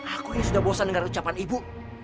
aku ini sudah bosan dengan ucapan ibu